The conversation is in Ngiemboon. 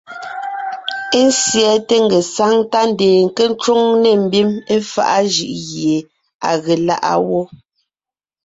Ésiɛte ngesáŋ tá ndeen nke ńcwóŋ nê mbim éfaʼa jʉʼ gie à ge láʼa wó.